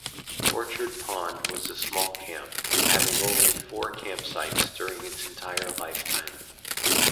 Orchard Pond was a small camp, having only four campsites during its entire lifetime.